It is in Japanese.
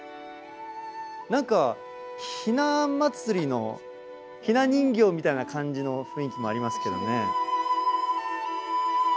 何かひな祭りのひな人形みたいな感じの雰囲気もありますけどね。